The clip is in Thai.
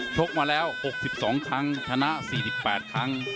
ชกมาแล้วหกสิบสองครั้งชนะสี่สิบแปดครั้ง